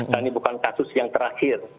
dan ini bukan kasus yang terakhir